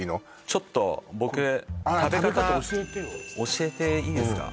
ちょっと僕食べ方食べ方教えてよ教えていいですか？